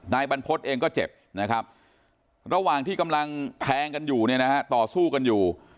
บรรพฤษเองก็เจ็บนะครับระหว่างที่กำลังแทงกันอยู่เนี่ยนะฮะต่อสู้กันอยู่